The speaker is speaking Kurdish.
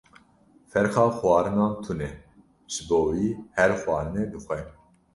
Ferqa xwarinan tune ji bo wî, her xwarinê dixwe.